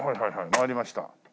回りました。